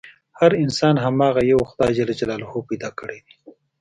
هر انسان هماغه يوه خدای پيدا کړی دی.